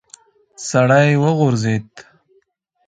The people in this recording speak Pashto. سړی وغورځېد.